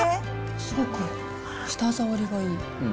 すごく舌触りがいい。